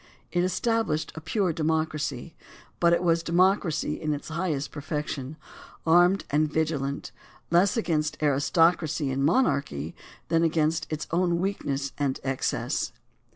It established a pure democracy, but it was democracy in its highest perfection, armed and vigilant, less against aristocracy and monarchy than against its own weakness and excess.